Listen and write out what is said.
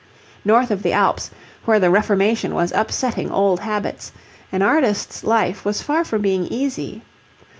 North of the Alps, where the Reformation was upsetting old habits, an artist's life was far from being easy.